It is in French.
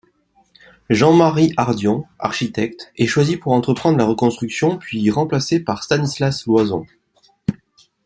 Jean-Marie Hardion, architecte, est choisi pour entreprendre la reconstruction, puis remplacé par Stanislas Loison.